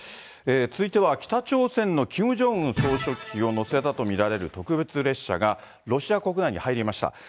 続いては北朝鮮のキム・ジョンウン総書記を乗せたと見られる特別列車が、ロシア国内に入りました。